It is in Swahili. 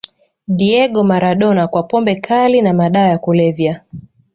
diego maradona kwa pombe kali na madawa ya kulevya